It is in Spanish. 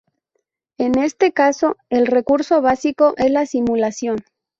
En este caso el recurso básico es la simulación.